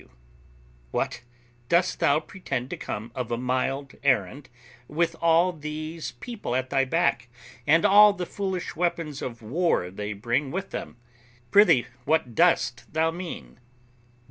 W. What! dost thou pretend to come of a mild errand with all these people at thy back, and all the foolish weapons of war they bring with them? Prithee, what dost thou mean?